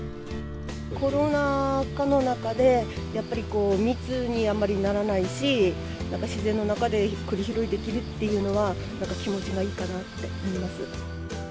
コロナ禍の中で、やっぱり密にあんまりならないし、なんか自然の中でくり拾いできるっていうのは、なんか気持ちがいいかなって気がします。